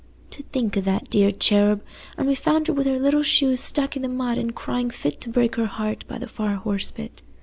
To think o' that dear cherub! And we found her wi' her little shoes stuck i' the mud an' crying fit to break her heart by the far horse pit.